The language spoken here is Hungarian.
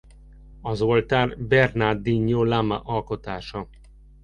Az oltár Bernardino Lama alkotása.